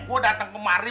gue datang kemari